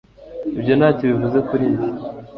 Ibyo ntacyo bivuze kuri njye